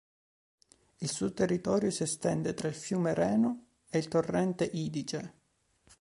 Il suo territorio si estende tra il fiume Reno e il torrente Idice.